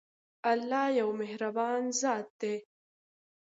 الله يو مهربان ذات دی.